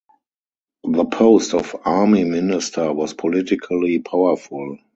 The post of Army Minister was politically powerful.